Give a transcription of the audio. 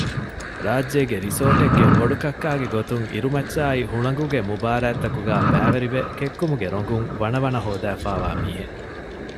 ރާއްޖޭގެ ރިސޯޓެއްގެ ބޮޑުކައްކާގެ ގޮތުން އިރުމައްޗާއި ހުޅަނގުގެ މުބާރާތްތަކުގައި ބައިވެރިވެ ކެއްކުމުގެ ރޮނގުން ވަނަވަނަ ހޯދައިފައިވާ މީހެއް